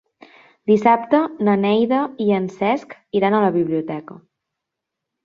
Dissabte na Neida i en Cesc iran a la biblioteca.